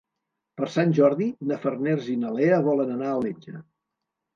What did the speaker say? Per Sant Jordi na Farners i na Lea volen anar al metge.